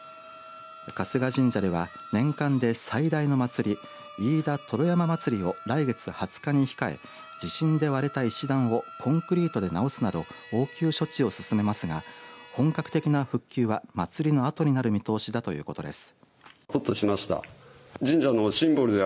春日神社では年間で最大の祭り飯田燈籠山祭りを来月２０日に控え地震で割れた石段をコンクリートで直すなど応急処置を進めていますが本格的な復旧は祭りのあとになる見通しだということです。